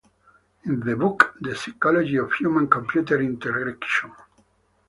In the book "The Psychology of Human Computer Interaction".